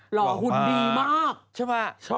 หล่อหุ่นดีมาก